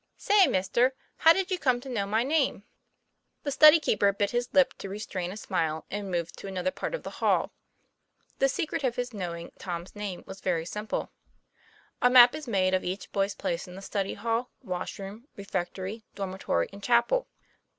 "Say, Mister, how did you come to know my name?" The study keeper bit his lip to restrain a smile and moved to another part of the hall. The secret of his knowing Tom's name was very simple. A map is made of each boy's place in the study hall, wash room, refectory, dormitory, and chapel.